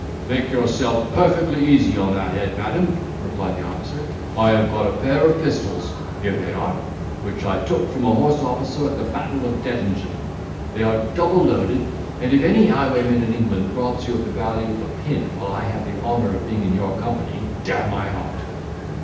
"Make yourself perfectly easy on that head, madam," replied the officer. "I have got a pair of pistols (here they are), which I took from a horse officer at the battle of Dettingen; they are double loaded, and if any highwayman in England robs you of the value of a pin while I have the honour of being in your company, d—n my heart."